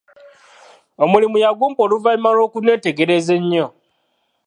Omulimu yagumpa oluvanyuma lw'okuneetegereza ennyo.